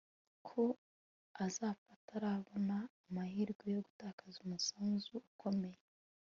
ko azapfa atarabona amahirwe yo gutanga umusanzu ukomeye